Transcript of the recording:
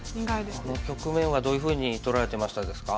この局面はどういうふうに捉えてましたですか？